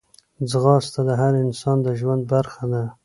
ځغاسته د هر انسان د ژوند برخه ده